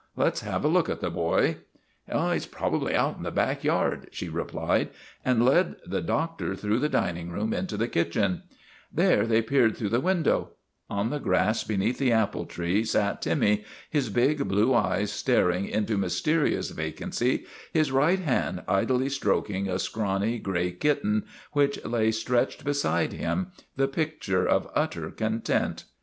Let 's have a look at the boy." " He 's probably out in the back yard," she re THE REGENERATION OF TIMMY 209 plied, and led the doctor through the dining room into the kitchen. Together they peered through the window. On the grass beneath the apple tree sat Timmy, his big blue eyes staring into mysterious vacancy, his right hand idly stroking a scrawny gray kitten which lay stretched beside him, the pic ture of utter content.